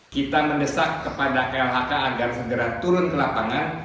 kita mendesak kepada klhk agar segera turun ke lapangan